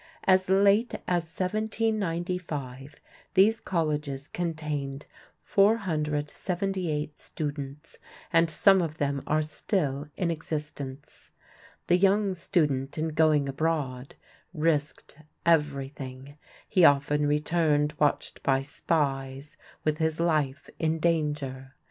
As late as 1795 these colleges contained 478 students, and some of them are still in existence. The young student in going abroad risked everything. He often returned watched by spies, with his life in danger.